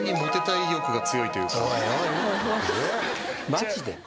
マジで？